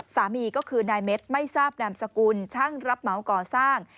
สามีก็คือนายเม็ดไม่ทราบนามสกุลช่างรับเหมาก่อสร้าง